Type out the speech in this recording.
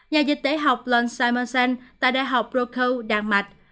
nhà dịch tế học lund simonsen tại đại học brokaw đan mạch